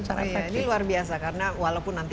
cara efektif ini luar biasa karena walaupun